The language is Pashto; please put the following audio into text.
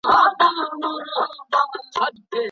تشویق د منفي چلند مخنیوی کوي.